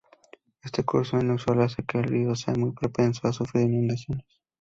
Este curso inusual hace que el río sea muy propenso a sufrir inundaciones.